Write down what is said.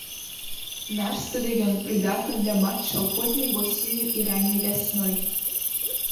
Наш стадыён прыдатны для матчаў позняй восенню і ранняй вясной.